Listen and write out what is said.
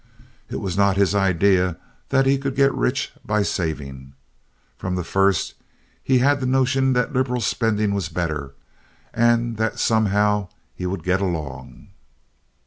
It was not his idea that he could get rich by saving. From the first he had the notion that liberal spending was better, and that somehow he would get along.